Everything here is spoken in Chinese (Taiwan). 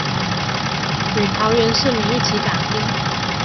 與桃園市民一起打拼